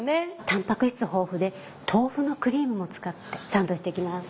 タンパク質豊富で豆腐のクリームも使ってサンドして行きます。